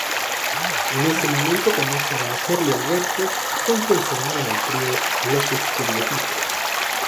En ese momento conocen a Charly Alberti con quien formaron el trío "Los Estereotipos".